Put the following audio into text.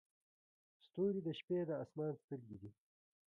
ستوري د شپې د اسمان سترګې دي.